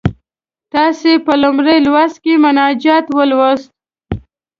تاسې په لومړي لوست کې مناجات ولوست.